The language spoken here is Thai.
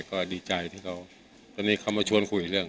ก็ดีใจที่เขาตอนนี้เขามาชวนคุยเรื่อง